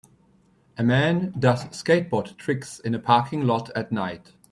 A man does skateboard tricks in a parking lot at night.